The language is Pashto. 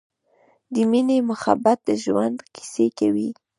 د مینې مخبت د ژوند کیسې کوی